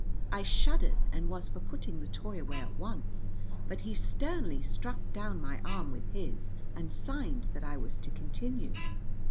I shuddered and was for putting the toy away at once, but he sternly struck down my arm with his, and signed that I was to continue.